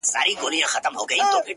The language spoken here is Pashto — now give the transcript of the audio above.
او خبرو باندي سر سو؛